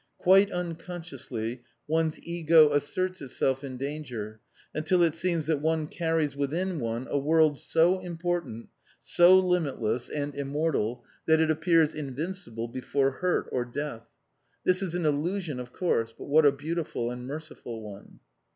Quite unconsciously, one's ego asserts itself in danger, until it seems that one carries within one a world so important, so limitless, and immortal, that it appears invincible before hurt or death. This is an illusion, of course; but what a beautiful and merciful one!